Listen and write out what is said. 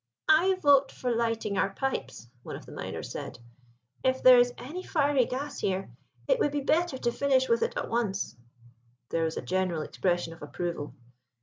"I vote for lighting our pipes," one of the miners said. "If there is fiery gas here, it would be better to finish with it at once." There was a general expression of approval.